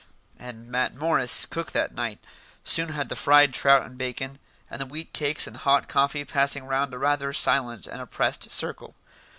And Matt Morris, cook that night, soon had the fried trout and bacon, and the wheat cakes and hot coffee passing round a rather silent and oppressed circle.